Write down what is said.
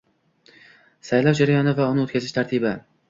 Saylov jarayoni va uni o‘tkazish tartibi